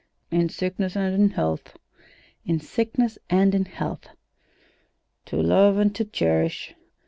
"In sickness and in health." "'In sickness and in health.'" "To love and to cherish."